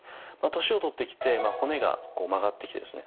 年をとってきて骨が曲がってきてですね